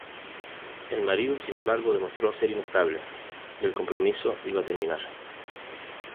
El marido, sin embargo, demostró ser "inestable", y el compromiso iba a terminar.